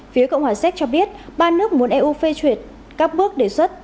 phía cộng hòa czech cho biết ba nước muốn eu phê chuyển các bước đề xuất